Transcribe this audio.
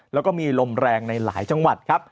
แล้วก็มีลมแรงในหลายจังหวัดครับ